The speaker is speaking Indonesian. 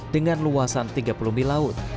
dengan luasan tiga puluh mil laut